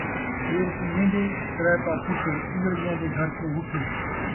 سیر پن٘ڄین٘دیں ترائے پا کھُٹے ، اُڄڑ ڳیاں دے گھر کیوں وُٹھے